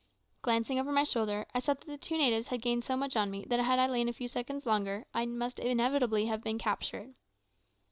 Glancing over my shoulder, I saw that the two natives had gained so much on me that had I lain a few seconds longer I must inevitably have been captured.